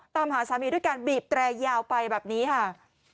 ตามหาสามีด้วยการบีบแตรยาวไปแบบนี้ค่ะ